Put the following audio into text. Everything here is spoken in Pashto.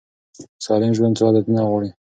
سالم ژوند څو عادتونه غواړي.